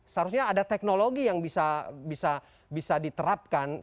seharusnya ada teknologi yang bisa diterapkan